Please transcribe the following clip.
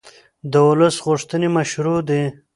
د ولس غوښتنې مشروع دي